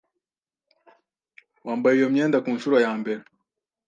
Wambaye iyo myenda kunshuro yambere?